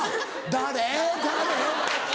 誰？」。